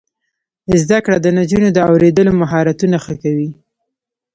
زده کړه د نجونو د اوریدلو مهارتونه ښه کوي.